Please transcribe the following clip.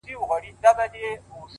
نه- مزل سخت نه و- آسانه و له هري چاري-